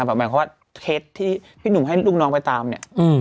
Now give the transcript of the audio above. หมายความว่าเท็จที่พี่หนุ่มให้ลูกน้องไปตามเนี่ย